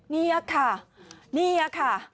นี่ค่ะ